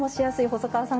細川さん